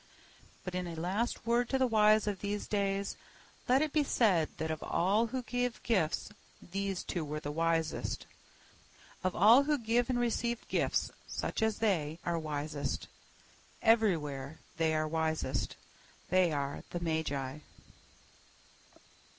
But in a last word to the wise of these days let it be said that of all who give gifts these two were the wisest. Of all who give and receive gifts, such as they are wisest. Everywhere they are wisest. They are the magi.